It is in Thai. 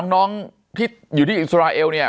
น้องที่อยู่ที่อิงสรายเอล